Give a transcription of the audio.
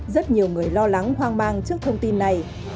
rất nhiều người lo lắng hoang mang trước thông tin này